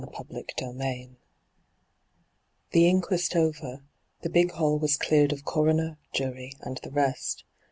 hyGoo>^lc CHAPTEK VI Thk inquest over, the big hal! was cleared of coroner, jury, and the rest.